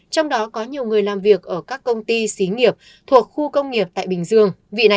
trong đó có nhiều người làm việc ở các công ty xí nghiệp thuộc khu công nghiệp tại bình dương